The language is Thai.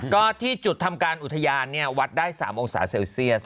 ก็ที่จุดทำการอุทยานวัดได้๓องศาเซลเซียส